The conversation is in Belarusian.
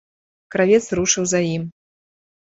Кравец рушыў за ім.